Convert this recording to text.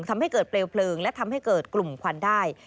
ทำให้เกิดเปลวเพลิงและทำให้เกิดกลุ่มควันได้